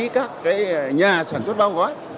cái nhà sản xuất bao gói